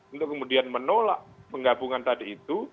untuk kemudian menolak penggabungan tadi itu